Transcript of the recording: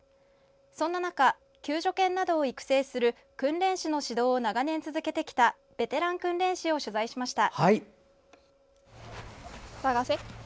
そんな中、救助犬などを育成する訓練士の指導を長年続けてきたベテラン訓練士を取材しました。